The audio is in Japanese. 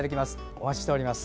お待ちしております。